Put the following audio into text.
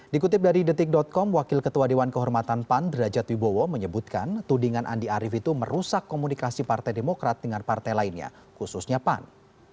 dikutip dari detik com wakil ketua dewan kehormatan pan derajat wibowo menyebutkan tudingan andi arief itu merusak komunikasi partai demokrat dengan partai lainnya khususnya pan